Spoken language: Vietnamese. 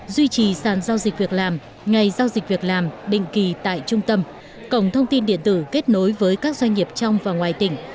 duy trì sàn giao dịch việc làm ngày giao dịch việc làm định kỳ tại trung tâm cổng thông tin điện tử kết nối với các doanh nghiệp trong và ngoài tỉnh